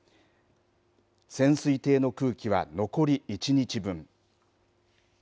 潜水艇の空気は残り１日分。